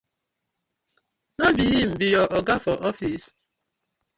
No bi him bi yu oga for office?